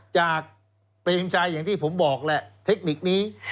เปรมชัยอย่างที่ผมบอกแหละเทคนิคนี้